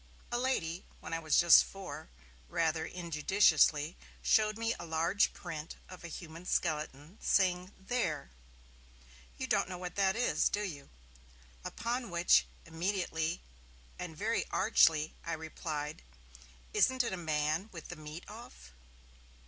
A lady when I was just four rather injudiciously showed me a large print of a human skeleton, saying, 'There! you don't know what that is, do you?' Upon which, immediately and very archly, I replied, 'Isn't it a man with the meat off?'